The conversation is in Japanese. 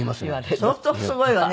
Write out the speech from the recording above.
相当すごいわね